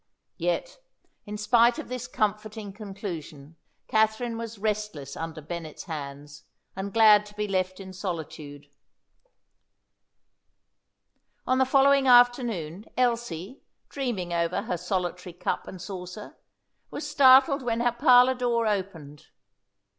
Yet, in spite of this comforting conclusion, Katherine was restless under Bennet's hands, and glad to be left in solitude. On the following afternoon, Elsie, dreaming over her solitary cup and saucer, was startled when her parlour door opened.